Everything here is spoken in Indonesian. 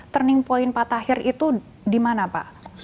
turning point pak tahir itu di mana pak